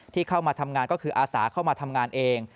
เข้ามาทำงานก็คืออาสาเข้ามาทำงานเอง